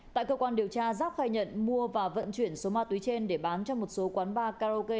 tại cơ quan điều tra giáp khai nhận mua và vận chuyển số ma túy trên để bán cho một số quán bar karaoke